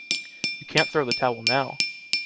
You can’t throw the towel now!